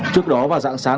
trước đó vào dạng sáng